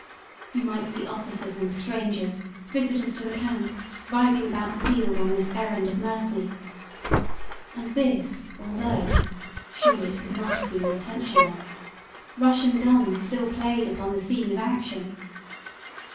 You might see officers and strangers, visitors to the camp, riding about the field on this errand of mercy. And this, although surely it could not have been intentional Russian guns still played upon the scene of action.